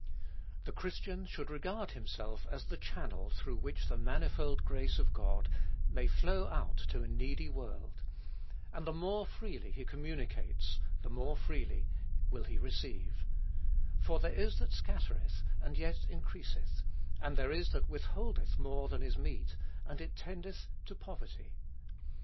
The Christian should regard himself as the channel through which the manifold grace of Christ may flow out to a needy world; and the more freely he communicates, the more freely will he receive, "for there is that scattereth, and yet increaseth; and there is that withholdeth more than is meet, and it tendeth to poverty."